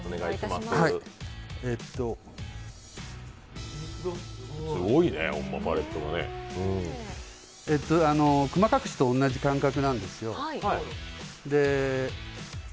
すごいね、パレットもね。クマ隠しと同じ感覚なんですよ。